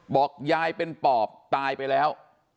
บอกยายเป็นปอบตายไปแล้ว